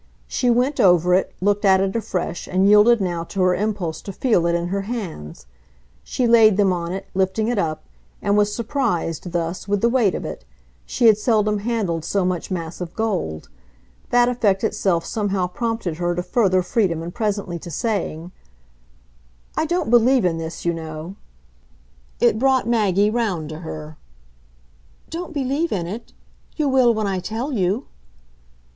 She went over it, looked at it afresh and yielded now to her impulse to feel it in her hands. She laid them on it, lifting it up, and was surprised, thus, with the weight of it she had seldom handled so much massive gold. That effect itself somehow prompted her to further freedom and presently to saying: "I don't believe in this, you know." It brought Maggie round to her. "Don't believe in it? You will when I tell you."